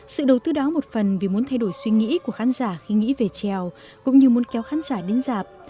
sự đầu tư đó một phần vì muốn thay đổi suy nghĩ của khán giả khi nghĩ về trèo cũng như muốn kéo khán giả đến dạp